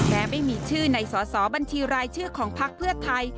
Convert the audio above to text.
แม้ไม่มีชื่อในสอสอบัญชีรายชื่อของพักเพื่อไทย